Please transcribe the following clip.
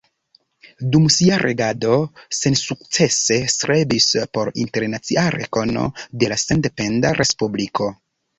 Dum sia regado sensukcese strebis por internacia rekono de la sendependa respubliko.